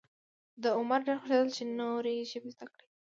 د عمر ډېر خوښېدل چې نورې ژبې زده کړي.